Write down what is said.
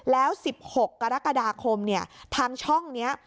แล้ว๑๖กรกฎาคมเนี่ยทางช่องเนี่ย